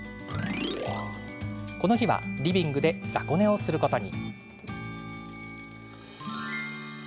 この日はリビングで雑魚寝をすることに。